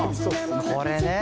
「これね！」